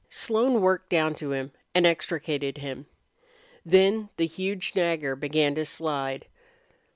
Slone worked down to him and extricated him. Then the huge Nagger began to slide.